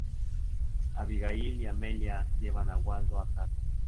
Abigail y Amelia llevan a Waldo a casa.